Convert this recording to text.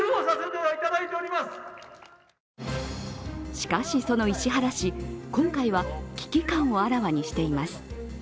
しかし、その石原氏、今回は危機感をあらわにしています。